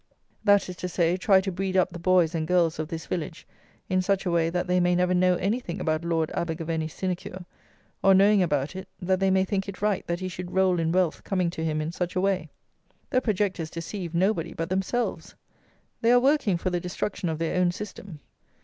That is to say, try to breed up the Boys and Girls of this village in such a way that they may never know anything about Lord Abergavenny's sinecure; or, knowing about it, that they may think it right that he should roll in wealth coming to him in such a way. The projectors deceive nobody but themselves! They are working for the destruction of their own system.